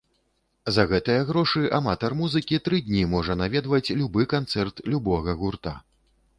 За гэтыя грошы аматар музыкі тры дні можа наведваць любы канцэрт любога гурта.